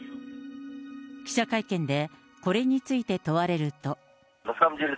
記者会見で、これについて問われると。